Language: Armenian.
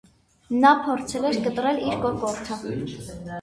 Նա փորձել էր կտրել իր կոկորդը։